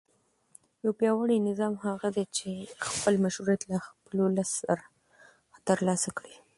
یو پیاوړی نظام هغه دی چې خپل مشروعیت له خپل ولس څخه ترلاسه کړي.